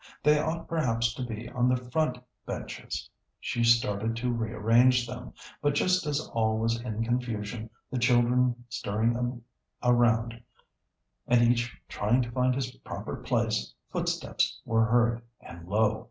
They ought perhaps to be on the front benches. She started to rearrange them, but just as all was in confusion, the children stirring around, and each trying to find his proper place, footsteps were heard, and lo!